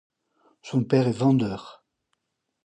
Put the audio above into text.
Son père est vendeur.